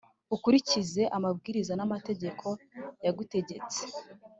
ukurikize amabwiriza n’amategeko yagutegetse,